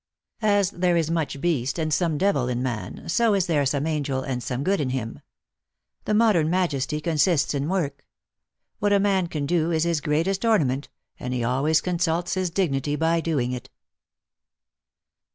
As there is much beast and som« devil in man, so is there some angel and some good in him." " The modern majesty consists in work. What a man can do is his greatest ornament, and he always consults his dignity by doing it."